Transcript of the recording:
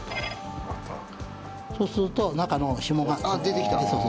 そうすると中のひもが。出てきた。